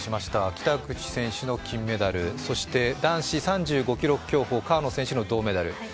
北口選手の金メダル、そして男子３５ｋｍ競歩、川野選手の銅メダル。